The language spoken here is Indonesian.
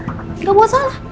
nggak buat salah